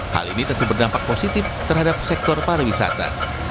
hal ini tentu berdampak positif terhadap sektor pariwisata